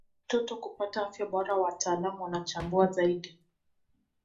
mtoto kupata afya bora wataalam wanachambua zaidi